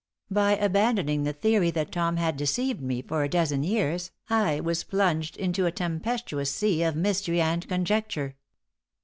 By abandoning the theory that Tom had deceived me for a dozen years I was plunged into a tempestuous sea of mystery and conjecture.